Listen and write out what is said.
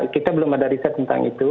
kita belum ada riset tentang itu